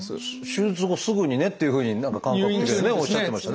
手術後すぐにねっていうふうに何か感覚おっしゃってましたね。